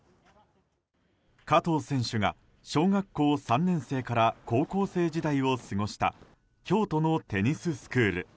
加藤選手が小学校３年生から高校生時代を過ごした京都のテニススクール。